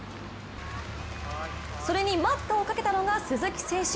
それに待ったをかけたのが鈴木選手。